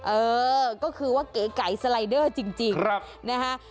เออก็คือว่าเก๋ไก่สไลเดอร์จริงนะฮะ